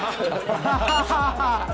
ハハハハ。